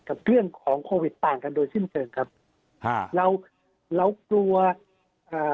กับเรื่องของโควิดต่างกันโดยสิ้นเชิงครับอ่าเราเรากลัวอ่า